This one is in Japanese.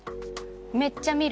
めっちゃ見る。